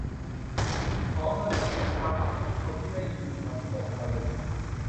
ขอเสนอแนะทำเอาทุกคนที่ได้ยินมันตกตะลึง